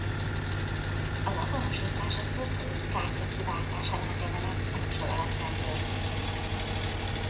Az azonosítás a szurkolói kártya kiváltásánál generált számsor alapján történik.